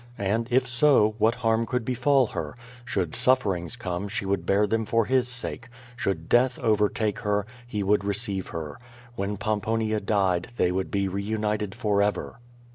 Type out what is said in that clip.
And, if so, what harm could befall her? Should sufferings come, she would bear them for His sake; should death overtake her. He would receive her. When Pomponia died they would be reunited forever.